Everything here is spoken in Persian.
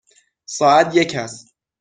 ساعت یک است.